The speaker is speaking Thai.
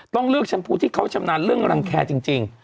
ต้องเลือกชมพูที่เขาชำนาญเรื่องรังแคร์จริง